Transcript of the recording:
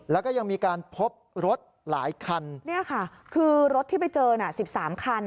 แล้วก็ยังมีการพบรถหลายคันเนี่ยค่ะคือรถที่ไปเจอน่ะสิบสามคัน